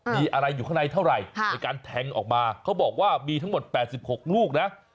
มีอะไรอยู่ข้างในเท่าไหร่ในการแทงออกมาเขาบอกว่ามีทั้งหมด๘๖ลูกนะ